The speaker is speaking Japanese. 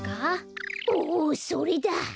おそれだ！